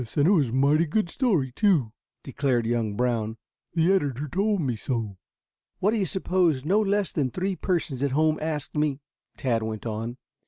And it was a mighty good story, too," declared young Brown. "The editor told me so." "What do you suppose no less than three persons at home asked me?" Tad went on.